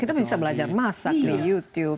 kita bisa belajar masak di youtube